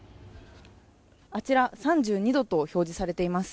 あちら３２度と表示されています。